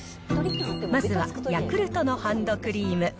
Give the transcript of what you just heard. まずはヤクルトのハンドクリーム。